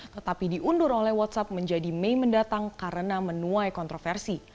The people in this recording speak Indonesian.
tetapi diundur oleh whatsapp menjadi mei mendatang karena menuai kontroversi